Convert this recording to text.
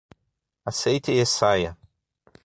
Aceite e saia.